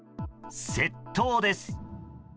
窃盗です。